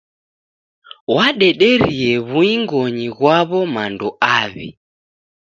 W'adederie w'uing'oni ghwaw'o mando aw'i.